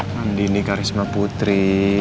mandi nih karisma putri